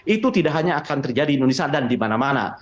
itu tidak hanya akan terjadi di indonesia dan di mana mana